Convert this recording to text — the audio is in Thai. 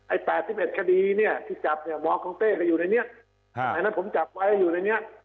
๘๑คดีเนี่ยที่จับเนี่ยหมอของเต้ก็อยู่ในนี้อันนั้นผมจับไว้อยู่ในนี้